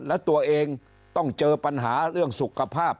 และตัวเองต้องเจอปัญหาเรื่องสุขภาพ